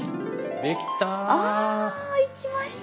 できた！